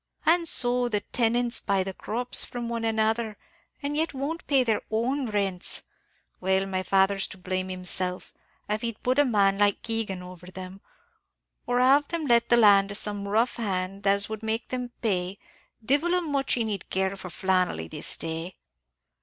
"An' so the tenants buy the crops from one another, and yet won't pay their own rents. Well, my father's to blame himself; av he'd put a man like Keegan over them, or have let the land to some rough hand as would make them pay, divil a much he need care for Flannelly this day."